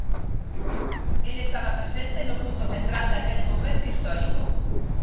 El estaba presente no punto central daquel momento histórico.